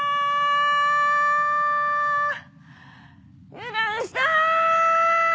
油断した！